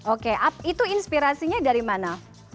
oke itu inspirasinya dari mana